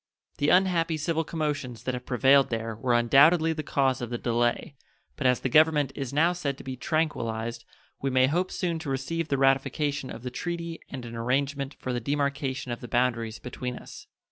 The unhappy civil commotions that have prevailed there were undoubtedly the cause of the delay, but as the Government is now said to be tranquillized we may hope soon to receive the ratification of the treaty and an arrangement for the demarcation of the boundaries between us.